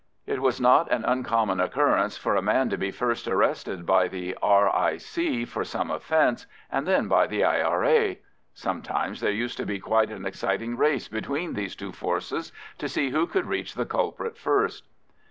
It was not an uncommon occurrence for a man to be first arrested by the R.I.C. for some offence, and then by the I.R.A.; sometimes there used to be quite an exciting race between these two forces to see who could catch the culprit first.